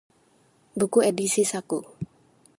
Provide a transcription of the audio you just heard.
buku edisi saku